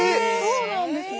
そうなんですね。